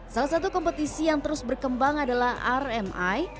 salah satu kompetisi yang terus berkembang adalah rmi